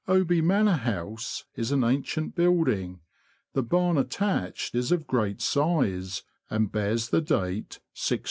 Oby Manor House is an ancient building; the barn attached is of great size, and bears the date 1622.